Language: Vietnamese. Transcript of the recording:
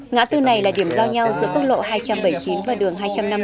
ngã tư này là điểm giao nhau giữa quốc lộ hai trăm bảy mươi chín và đường hai trăm năm mươi